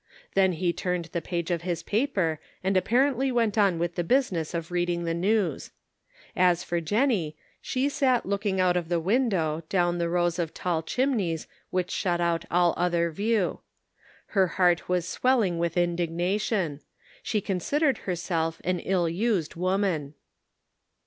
Then he turned the page of his paper and apparently went on with the busi ness of reading the news. As for Jennie, she sat looking out of the window down the rows of tall chimneys which shut out all other view. Her heart was swelling with indignation ; she considered herself an ill used woman.